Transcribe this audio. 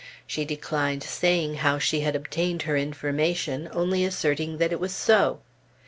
She declined saying how she had obtained her information, only asserting that it was so.